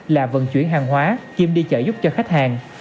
là vận chuyển hàng hóa kiêm đi chở giúp cho khách hàng